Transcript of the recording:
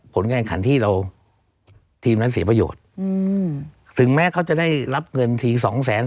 ผลงานขันที่เราทีมนั้นเสียประโยชน์อืมถึงแม้เขาจะได้รับเงินทีสองแสน